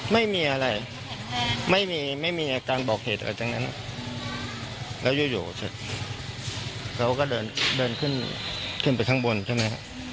ไม่มีไม่มีการบอกเหตุแต่จนแล้วยู่แล้วเดินขึ้นขึ้นทางบนใช่ไหม